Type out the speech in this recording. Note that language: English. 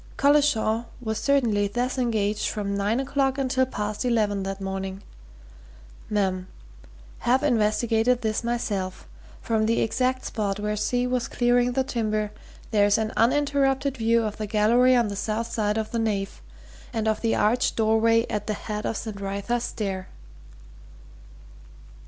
Collishaw was certainly thus engaged from nine o'clock until past eleven that morning. Mem. Have investigated this myself. From the exact spot where C. was clearing the timber, there is an uninterrupted view of the gallery on the south side of the nave, and of the arched doorway at the head of St. Wrytha's Stair.'"